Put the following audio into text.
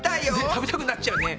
食べたくなっちゃうね。